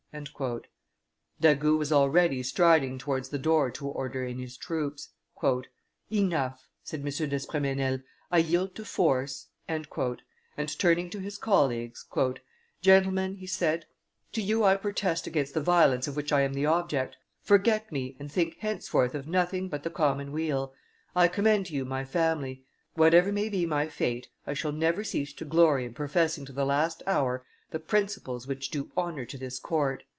D'Agoult was already striding towards the door to order in his troops. "Enough," said M. d'Espremesnil; "I yield to force;" and, turning to his colleagues, "Gentlemen," he said, "to you I protest against the violence of which I am the object; forget me and think henceforth of nothing but the common weal; I commend to you my family; whatever may be my fate, I shall never cease to glory in professing to the last hour the principles which do honor to this court."